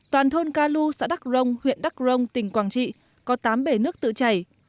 toàn thôn ca lu xã đắk rông huyện đắk rông tỉnh quảng trị có tám bể nước tự chảy